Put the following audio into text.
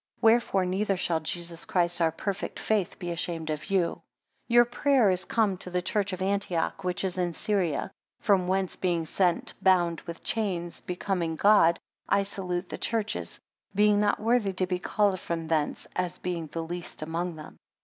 Wherefore neither shall. Jesus Christ, our perfect faith, be ashamed of you. 14 Your prayer is come to the church of Antioch, which is in Syria. From whence being sent bound with chains becoming God. I salute the churches; being not worthy to be called from thence, as being the least among them.